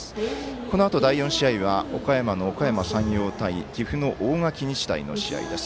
このあと、第４試合は岡山のおかやま山陽対岐阜の大垣日大の試合です。